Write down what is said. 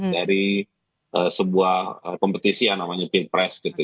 dari sebuah kompetisi yang namanya pilpres gitu